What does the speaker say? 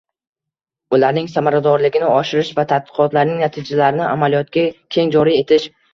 ularning samaradorligini oshirish va tadqiqotlarning natijalarini amaliyotga keng joriy etish